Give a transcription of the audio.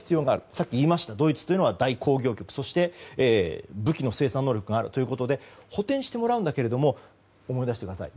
さっき言いました、ドイツは大工業国、そして武器の生産能力があるということで補填してもらうんだけれども思い出してください。